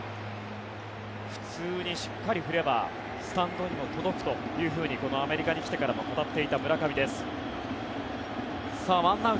普通にしっかり振ればスタンドにも届くというふうにこのアメリカに来てからも語っていた村上です。